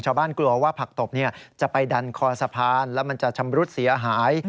กลัวว่าผักตบจะไปดันคอสะพานแล้วมันจะชำรุดเสียหาย